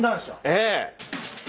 ええ。